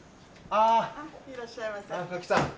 あっいらっしゃいませ。